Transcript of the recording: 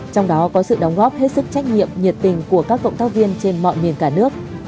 trong đó có sự đóng góp hết sức trách nhiệm nhiệt tình của các cộng tác viên trên mọi miền cả nước